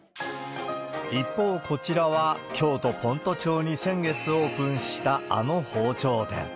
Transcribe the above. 一方、こちらは京都・先斗町に先月オープンした、あの包丁店。